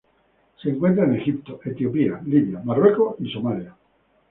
Se encuentra en Egipto, Etiopía, Libia, Marruecos y Somalia.